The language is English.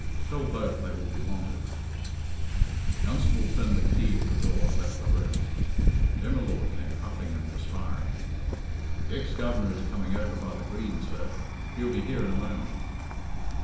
"Tell both they will be wanted." The constable turned the key of the door and left the room. Jem y Lord came puffing and perspiring. "The ex Governor is coming over by the green, sir. He'll be here in a moment."